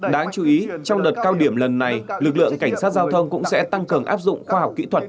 đáng chú ý trong đợt cao điểm lần này lực lượng cảnh sát giao thông cũng sẽ tăng cường áp dụng khoa học kỹ thuật